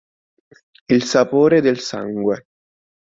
Il sapore del sangue